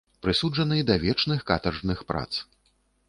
Прысуджаны да вечных катаржных прац.